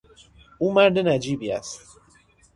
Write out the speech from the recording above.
او مرد نجیبی است.